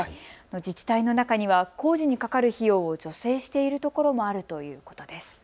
自治体の中には工事にかかる費用を助成しているところもあるということです。